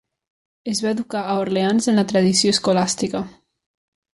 Es va educar a Orleans en la tradició escolàstica.